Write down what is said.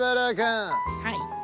はい。